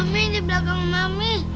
mami di belakang mami